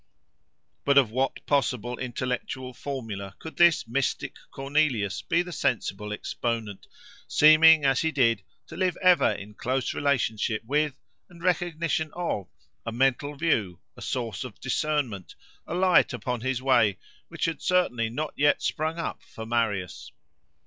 But of what possible intellectual formula could this mystic Cornelius be the sensible exponent; seeming, as he did, to live ever in close relationship with, and recognition of, a mental view, a source of discernment, a light upon his way, which had certainly not yet sprung up for Marius?